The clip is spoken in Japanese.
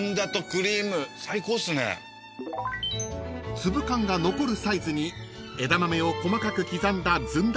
［粒感が残るサイズに枝豆を細かく刻んだずんだ